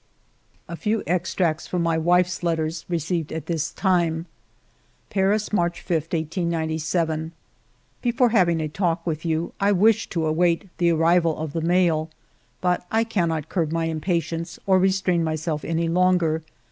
A few extracts from my wife's letters received at this time :—Paris, March 5, 1897. " Before having a talk with you, I wished to await the arrival of the mail ; but I cannot curb my impatience, or restrain myself any longer.